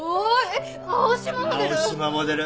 青島モデル！